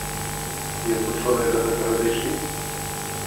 Як вучоныя да гэтага дайшлі?